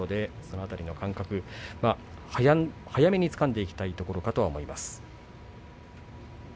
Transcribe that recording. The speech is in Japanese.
その辺りの感覚早めにつかんでいきたいところだと思います。